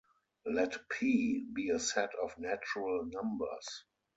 Let "P" be a set of natural numbers.